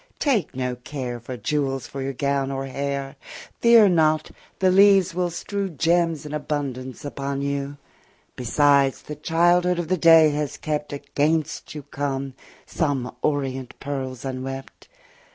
Take no care For jewels for your gown or hair: Fear not; the leaves will strew Gems in abundance upon you: 20 Besides, the childhood of the day has kept, Against you come, some orient pearls unwept.